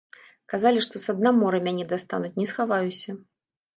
Казалі, што са дна мора мяне дастануць, не схаваюся.